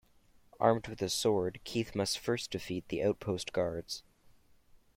Armed with a sword, Keith must first defeat the outpost guards.